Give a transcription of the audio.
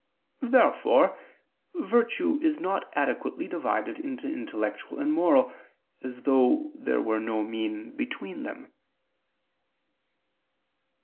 Therefore virtue is not adequately divided into intellectual and moral, as though there were no mean between them.